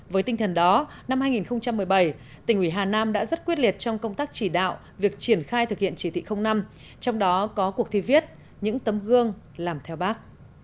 với tinh thần đó năm hai nghìn một mươi bảy tỉnh ủy hà nam đã rất quyết liệt trong công tác chỉ đạo việc triển khai thực hiện chỉ thị năm trong đó có cuộc thi viết những tấm gương làm theo bác